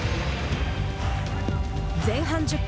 前半１０分。